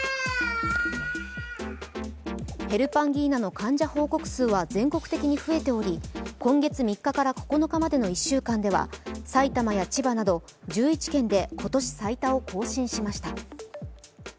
ヘルパンギーナの患者報告数は全国的に増えており今月３日から９日までの１週間では埼玉や千葉など１１県で今年最多を更新しました。